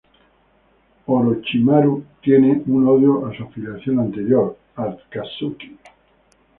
Orochimaru tiene un odio a su afiliación anterior, Akatsuki.